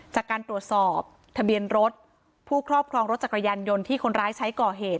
จากการตรวจสอบทะเบียนรถผู้ครอบครองรถจักรยานยนต์ที่คนร้ายใช้ก่อเหตุ